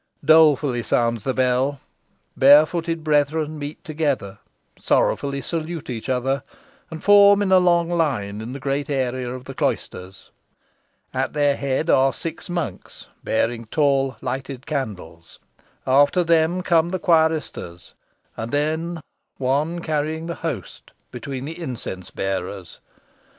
Dolefully sounds the bell. Barefooted brethren meet together, sorrowfully salute each other, and form in a long line in the great area of the cloisters. At their head are six monks bearing tall lighted candles. After them come the quiristers, and then one carrying the Host, between the incense bearers.